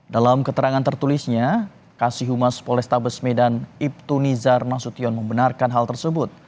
dalam keterangan tertulisnya kasihumas polesta besmedan ibtunizar nasution membenarkan hal tersebut